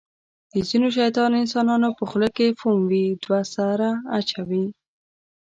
د ځینو شیطان انسانانو په خوله کې فوم وي. دوه سره اچوي.